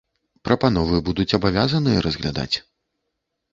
Прапановы будуць абавязаныя разглядаць.